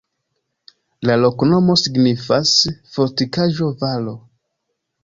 La loknomo signifas: fortikaĵo-valo.